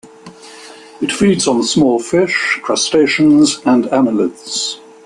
It feeds on small fish, crustaceans, and annelids.